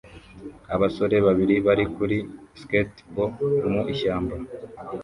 Abasore babiri bari kuri skatebo mu ishyamba